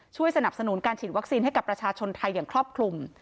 สนับสนุนการฉีดวัคซีนให้กับประชาชนไทยอย่างครอบคลุม